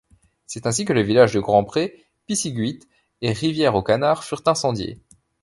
C'est ainsi que les villages de Grand-Pré, Pisiguit, et Rivière-aux-Canards furent incendiés.